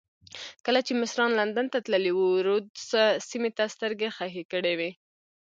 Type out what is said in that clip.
کله چې مشران لندن ته تللي وو رودز سیمې ته سترګې خښې کړې وې.